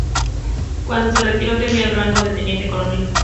Cuando se retiró tenía el rango de teniente coronel.